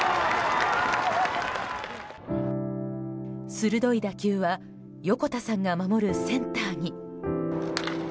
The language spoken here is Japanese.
鋭い打球は横田さんが守るセンターに。